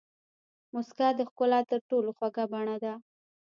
موسکا د ښکلا تر ټولو خوږه بڼه ده.